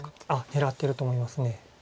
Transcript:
狙ってると思います。